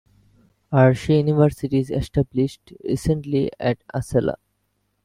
Arsi University is established recently at Asella.